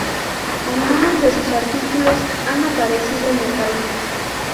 Algunos de sus artículos han aparecido en El País.